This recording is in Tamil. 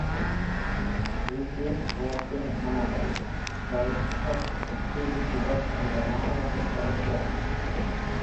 ஈவ்லின் வாகின் நாவல் "ப்ரைட்ஸ்ஹெட் ரீவிசிடட்" என்ற நாடகத்தின் தலைப்பு ஆகும்.